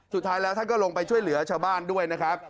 สุดท้ายแล้วท่านก็ลงไปช่วยเหลือชาวบ้านด้วยนะครับ